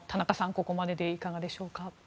ここまででいかがでしょうか？